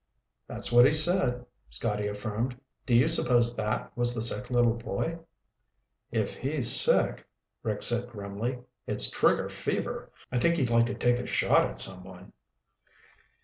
"That's what he said," Scotty affirmed. "Do you suppose that was the sick little boy?" "If he's sick," Rick said grimly, "it's trigger fever. I think he'd like to take a shot at someone."